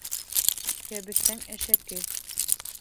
Кәбеҫтәң әшәке.